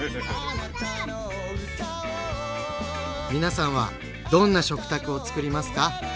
皆さんはどんな食卓をつくりますか？